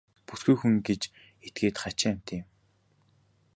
Бүсгүй хүн гэж этгээд хачин амьтан юм.